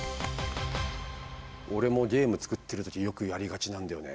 俺もゲーム作ってる時よくやりがちなんだよね。